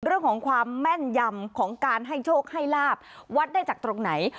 เรื่องของความแม่นยำของการให้โชคให้ลาบวัดได้จากตรงไหน